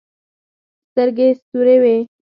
سترګې سورې وې.